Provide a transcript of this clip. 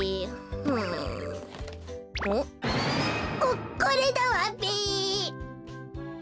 ここれだわべ！